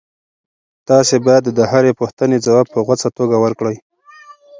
تاسي باید د هرې پوښتنې ځواب په غوڅه توګه ورکړئ.